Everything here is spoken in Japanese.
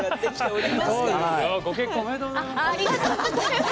ご結婚おめでとうございます。